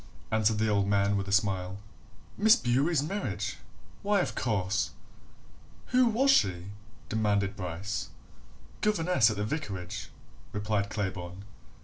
answered the old man with a smile. "Miss Bewery's marriage? why, of course!" "Who was she?" demanded Bryce. "Governess at the vicarage," replied Claybourne.